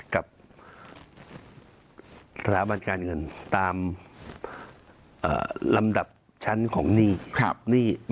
กับสถาบันการเงินตามลำดับชั้นของหนี้